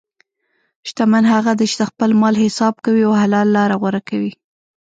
شتمن هغه دی چې د خپل مال حساب کوي او حلال لاره غوره کوي.